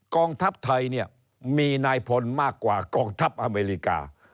กองทัพไทยเนี่ยมีนายพลมากกว่ากองทัพอเมริกา